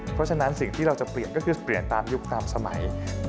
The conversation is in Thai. เพราะฉะนั้นสิ่งที่เราจะเปลี่ยนก็คือเปลี่ยนตามยุคตามสมัย